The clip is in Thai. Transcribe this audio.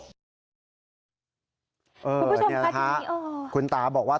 ที่นะครับคุณตาบอกว่า